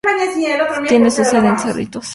Tiene su sede en Cerritos.